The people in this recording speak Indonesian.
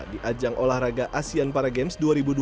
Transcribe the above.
di ajang olahraga asean paragames dua ribu dua puluh dua